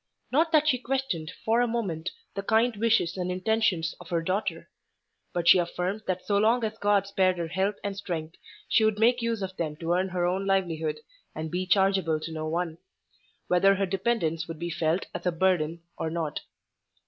Not that she questioned, for a moment, the kind wishes and intentions of her daughter; but she affirmed that so long as God spared her health and strength, she would make use of them to earn her own livelihood, and be chargeable to no one; whether her dependence would be felt as a burden or not.